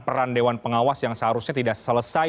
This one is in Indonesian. peran dewan pengawas yang seharusnya tidak selesai